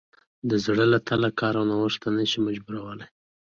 د زړه له تله کار او نوښت ته نه شي مجبورولی.